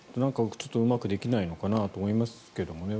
うまくできないのかなと思いますけどね。